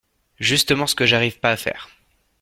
Justement ce que j'arrive pas à faire.